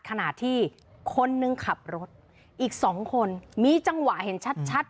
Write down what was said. ขณะที่คนนึงขับรถอีกสองคนมีจังหวะเห็นชัดชัด